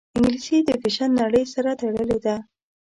انګلیسي د فیشن نړۍ سره تړلې ده